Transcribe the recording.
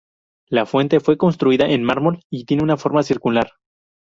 La fuente fue construida en mármol y tiene una forma circular.